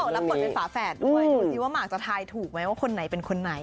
เขาบอกแล้วเป็นฝาแฝดดูสิว่ามาร์กจะทายถูกไหมว่าคนไหนเป็นคนไหน